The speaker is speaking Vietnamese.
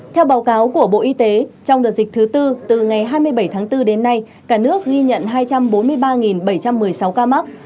theo báo cáo của bộ y tế trong đợt dịch thứ tư từ ngày hai mươi bảy tháng bốn đến nay cả nước ghi nhận hai trăm bốn mươi ba bảy trăm một mươi sáu ca mắc